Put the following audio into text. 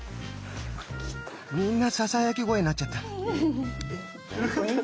みんなささやき声になっちゃった。